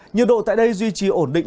nhiệt độ tại đây duy trì ổn định